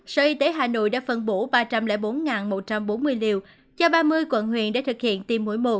sở y tế hà nội đã phân bổ ba trăm linh bốn một trăm bốn mươi liều cho ba mươi quận huyện để thực hiện tiêm mỗi một